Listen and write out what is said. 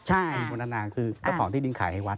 ใช่คุณวันธนาคือเจ้าของที่ดินขายให้วัด